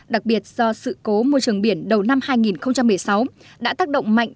đặc biệt do sự cố môi trường biển đầu năm hai nghìn một mươi sáu đã tác động mạnh